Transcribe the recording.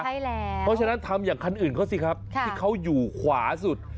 ใช่แล้วเพราะฉะนั้นทำอย่างคันอื่นเขาสิครับที่เขาอยู่ขวาสุด